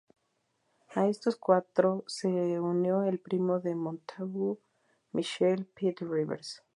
A estos cuatro se unió el primo de Montagu, Michael Pitt-Rivers.